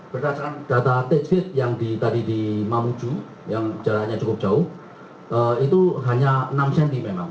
berdasarkan data tax fit yang tadi di mamuju yang jalannya cukup jauh itu hanya enam cm memang